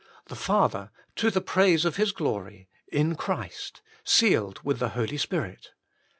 The Father, to the praise of His Glory, in Christ, sealed with the Holy Spirit.